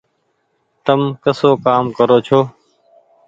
تم ڪسو ڪآم ڪرو ڇو۔